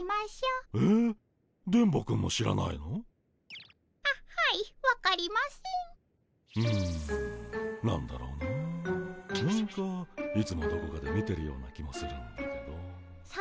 うん何だろうな何かいつもどこかで見てるような気もするんだけど。